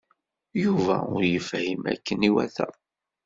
Yuba ur yefhim akken iwata.